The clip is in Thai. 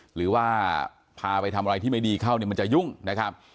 หรือว่าพาไปทำอะไรที่ไม่ดีเข้าเนี่ยมันจะยุ่งนะครับ